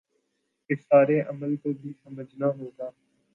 اس سارے عمل کو بھی سمجھنا ہو گا